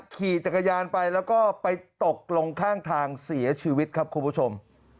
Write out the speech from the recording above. ขี่จักรยานไปแล้วก็ไปตกลงข้างทางเสียชีวิตครับคุณผู้ชม